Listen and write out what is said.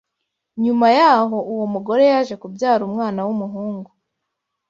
Nyuma y’aho uwo mugore yaje kubyara umwana w’umuhungu